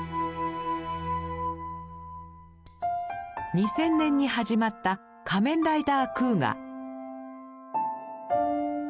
２０００年に始まった「仮面ライダークウガ」。